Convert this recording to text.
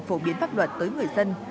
phổ biến pháp luật tới người dân